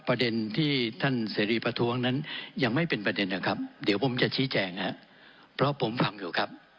ประเด็นที่ท่านเสรีประท้วงนั้นยังไม่เป็นประเด็นนะครับเดี๋ยวผมจะชี้แจงนะครับเพราะผมฟังอยู่ครับ